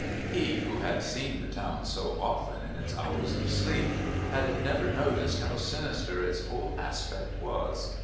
He, who had seen the town so often in its hours of sleep, had never noticed how sinister its whole aspect was.